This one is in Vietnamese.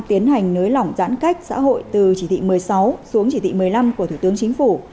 tiến hành nới lỏng giãn cách xã hội từ chỉ thị một mươi sáu xuống chỉ thị một mươi năm của thủ tướng chính phủ